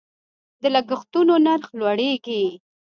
د لګښتونو نرخ لوړیږي.